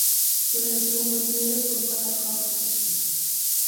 kuna kiongozi yeyote mpaka sasa